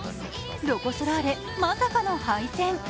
ロコ・ソラーレ、まさかの敗戦。